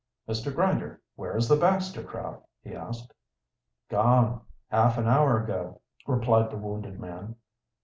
"Mr. Grinder, where is the Baxter crowd?" he asked. "Gone, half an hour ago," replied the wounded man.